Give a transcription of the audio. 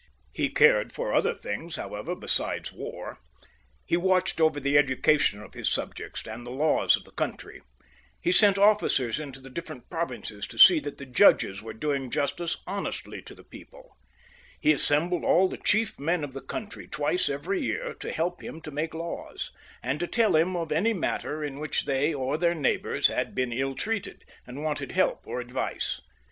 He cared for other things, however, besides war ; he yiiij CHARLEMAGNE. 39 watched over the education of his subjects and the laws of the country ; be sent officers into the different provinces to see that the judges were doing justice honestly to the people ; he assembled all the chief men of the country twice every year to help him to make laws, and to tell him of any matter in which they or their neighbours had been ill treated, and wanted help or advice.